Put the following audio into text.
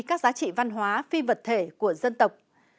các giá trị văn hóa phi vật thể của dân tộc